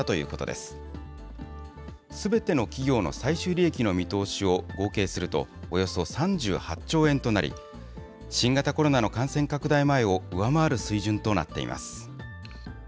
すべての企業の最終利益の見通しを合計すると、およそ３８兆円となり、新型コロナの感染拡大前を上回る水準となっています。